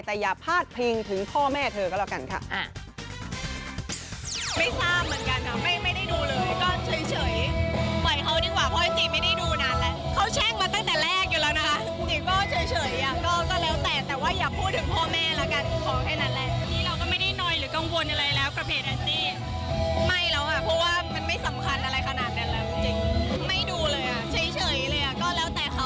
แต่อย่าพาดพิงถึงพ่อแม่เธอก็แล้วกันค่ะ